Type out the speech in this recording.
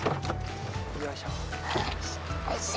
よいしょ。